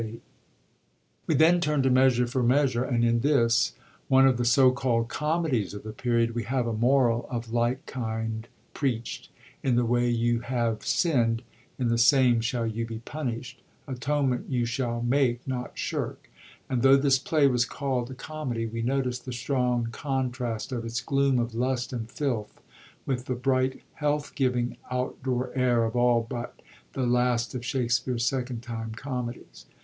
130 SHAKSPERE'S THIRD PERIOD PLAYS We then turn to Measure for Measure, and in this, one of the so calld comedies of the Period, we have a moral of like kind preacht : in the way you have sind, in the same shall you he punisht : atonement you shall make, not shirk. And though this play was calld a comedy, we notice the strong contrast of its gloom of lust and filth with the bright, health giving, out door air of all hut the last of Shakspere^s second time comedies.